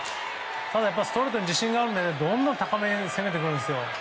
ただ、ストレートに自信があるのでどんどん高めを攻めるんです。